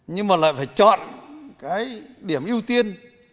nhưng mà lại phải chọn cái điểm ưu tiên